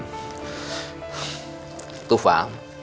tufa tufa tidak usah khawatir